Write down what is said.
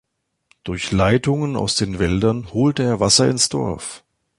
Durch Leitungen aus den Wäldern holte er Wasser ins Dorf.